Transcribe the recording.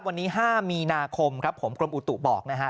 วันนี้๕มีนาคมครับผมกรมอุตุบอกนะฮะ